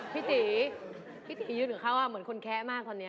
พี่ตียืนเข้าอ่ะเหมือนคนแคะมากท่อนี้